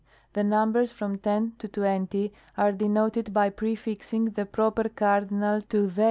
The numbers from ten to twenty are denoted by prefixing the proper cardinal to 8l?